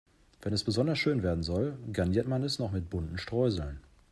Wenn es besonders schön werden soll, garniert man es noch mit bunten Streuseln.